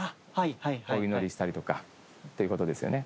お祈りしたりとかっていうことですよね。